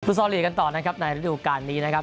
พุทธศาลีกันตอนนะครับในละดูกรรมนี้นะครับ